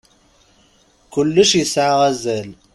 Kullec yesɛa azal.